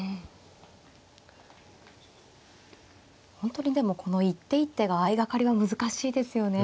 本当にでもこの一手一手が相掛かりは難しいですよね。